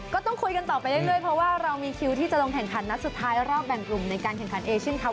ก็ต้องคุยกันต่อไปเรื่อยเพราะว่าเรามีคิวที่จะลงแข่งขันนัดสุดท้ายรอบแบ่งกลุ่มในการแข่งขันเอเชียนคลับ